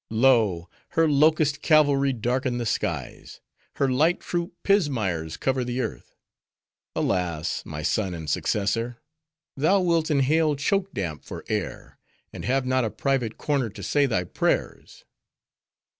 Lo! her locust cavalry darken the skies; her light troop pismires cover the earth. Alas! my son and successor, thou wilt inhale choke damp for air, and have not a private corner to say thy prayers.